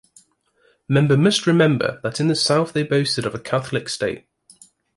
Member must remember that in the South they boasted of a Catholic State.